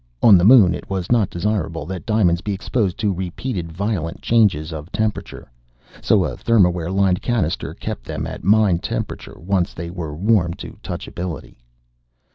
On the Moon, it was not desirable that diamonds be exposed to repeated violent changes of temperature. So a thermware lined cannister kept them at mine temperature once they were warmed to touchability.